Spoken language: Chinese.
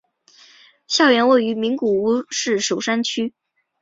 校园位于名古屋市守山区。